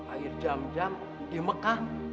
akhir jam jam di mekah